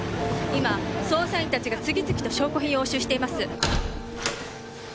今捜査員達が次々と証拠品を押収しています